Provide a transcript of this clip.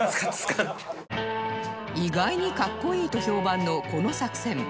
意外にかっこいいと評判のこの作戦